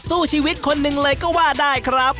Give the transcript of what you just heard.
สู้ชีวิตคนหนึ่งเลยก็ว่าได้ครับ